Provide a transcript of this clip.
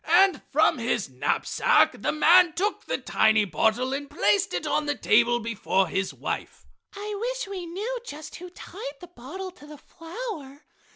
And from his knapsack the man took the tiny bottle and placed it on the table before his wife. "I wish we knew just who tied the bottle to the flower!"